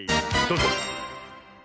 どうぞ。